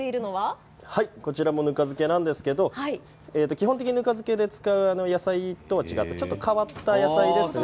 ぬか漬けなんですけど基本的にぬか漬けで使う野菜とは違ってちょっと変わった野菜ですね。